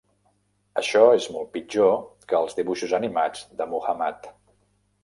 Això és molt pitjor que els dibuixos animats de Muhammad.